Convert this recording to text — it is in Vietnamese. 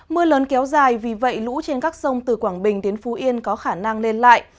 mưa lớn kéo dài vì vậy lũ trên các sông từ quảng bình đến phú yên có khả năng lên lại